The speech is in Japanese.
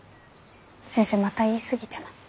先生また言い過ぎてます。